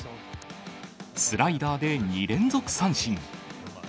スライダーで２連続三振。